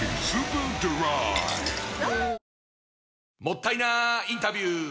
もったいなインタビュー！